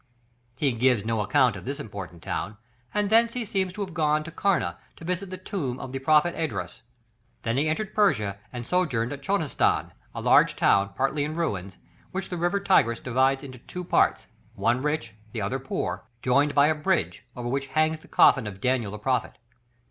He gives no account of this important town; and thence he seems to have gone to Karna, to visit the tomb of the prophet Esdras; then he entered Persia and sojourned at Chuzestan, a large town, partly in ruins, which the river Tigris divides into two parts, one rich the other poor, joined by a bridge, over which hangs the coffin of Daniel the prophet.